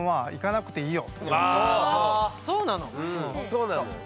そうなのよ。